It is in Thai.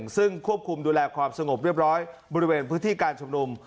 ซึ่งควบคุมดูแลความสงบเรียบร้อยบริเวณพื้นที่การชุมนุม